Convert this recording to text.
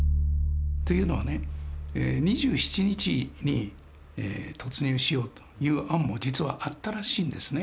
というのはね２７日に突入しようという案も実はあったらしいんですね。